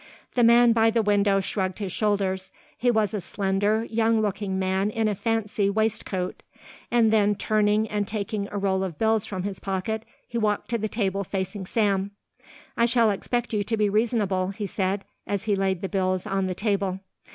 The man by the window shrugged his shoulders he was a slender, young looking man in a fancy waistcoat and then turning and taking a roll of bills from his pocket he walked to the table, facing Sam. "I shall expect you to be reasonable," he said, as he laid the bills on the table.